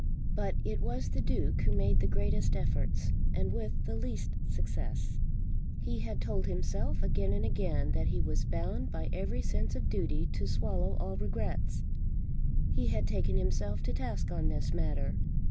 But it was the Duke who made the greatest efforts, and with the least success. He had told himself again and again that he was bound by every sense of duty to swallow all regrets. He had taken himself to task on this matter.